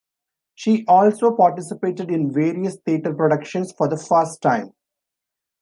She also participated in various theater productions for the first time.